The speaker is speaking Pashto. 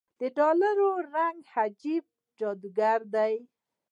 دډالرو رنګ عجيبه جادوګر دی